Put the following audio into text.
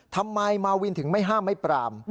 ทำไมมาวินถึงไม่ห้ามไม่ปราม